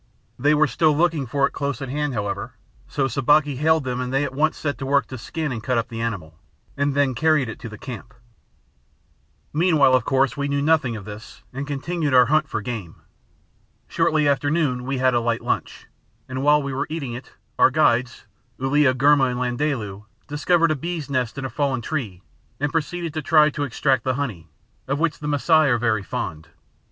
They were still looking for it close at hand, however, so Sabaki hailed them and they at once set to work to skin and cut up the animal, and then carried it to the camp. Meanwhile, of course, we knew nothing of all this, and continued our hunt for game. Shortly after noon we had a light lunch, and while we were eating it our guides, Uliagurma and Landaalu, discovered a bees' nest in a fallen tree and proceeded to try to extract the honey, of which the Masai are very fond.